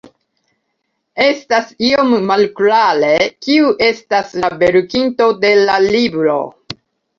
Estas iom malklare, kiu estas la verkinto de la libro.